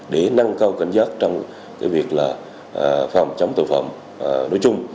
để nâng cao cảnh giác trong việc là phòng chống tội phạm đối chung